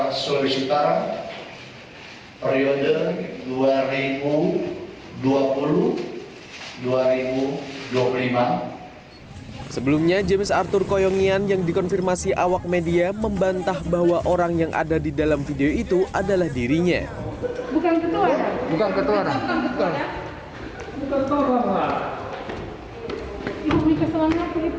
keputusan ini dihasilkan dalam rapat pimpinan harian terbatas yang dipimpin ketua partai golkar sulawesi utara periode dua ribu dua puluh dua ribu dua puluh lima james arthur koyomian